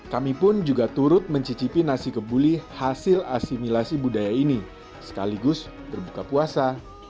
kami pun juga turut mencicipi nasi kebuli hasil asimilasi budaya ini sekaligus berbuka puasa